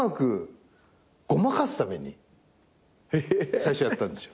最初やったんですよ。